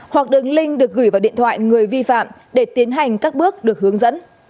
hoặc đường link được gửi vào điện thoại người vi phạm để tiến hành các bước được hướng dẫn